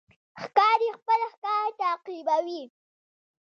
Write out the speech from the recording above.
ښکاري خپل ښکار تعقیبوي.